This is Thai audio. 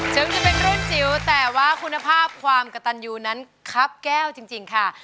ถึงจะเป็นรุ่นจิ๋วแต่ว่าคุณภาพความกระตันยูนั้นครับแก้วจริงค่ะ